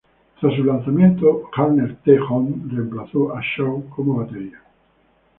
Tras su lanzamiento Bjarne T. Holm reemplazó a Shaw como batería.